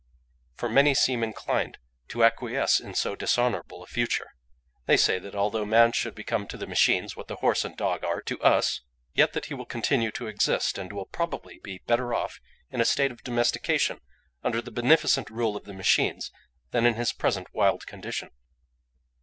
For many seem inclined to acquiesce in so dishonourable a future. They say that although man should become to the machines what the horse and dog are to us, yet that he will continue to exist, and will probably be better off in a state of domestication under the beneficent rule of the machines than in his present wild condition.